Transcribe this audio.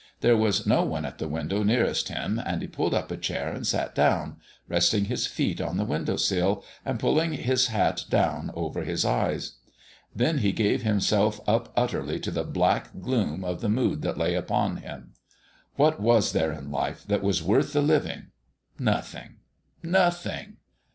There was no one at the window nearest him, and he pulled up a chair and sat down, resting his feet on the window sill and pulling his hat down over his eyes. Then he gave himself up utterly to the black gloom of the mood that lay upon him. What was there in life that was worth the living? Nothing nothing.